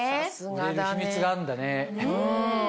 売れる秘密があるんだね。